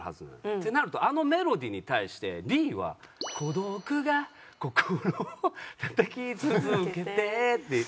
ってなるとあのメロディーに対してＢは「孤独が心を叩き続けて」って。